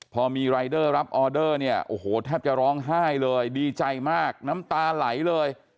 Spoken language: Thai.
พอมีรายเดอร์รับออเดอร์เนี่ยโอ้โหแทบจะร้องไห้เลยดีใจมากน้ำตาไหลเลย